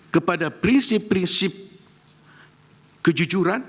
kepada prinsip prinsip kejujuran